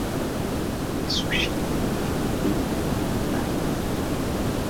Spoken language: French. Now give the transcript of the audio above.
Les suchis vivent haut dans les montagnes.